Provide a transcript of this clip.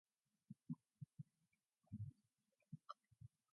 MicroBee computers use and conform loosely to the "Kansas City" standard.